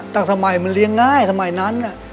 ตั้งสมัยมันเลี้ยงง่ายสมัยนั้นอ่ะ